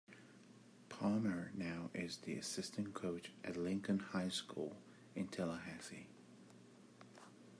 Palmer now is the assistant coach at Lincoln High School in Tallahassee.